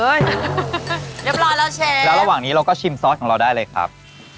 เรียบร้อยแล้วเชฟแล้วระหว่างนี้เราก็ชิมซอสของเราได้เลยครับ